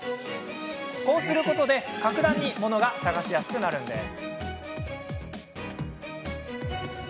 こうすることで格段にものが探しやすくなるんです。